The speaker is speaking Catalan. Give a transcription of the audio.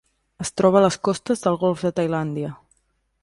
Es troba a les costes del Golf de Tailàndia.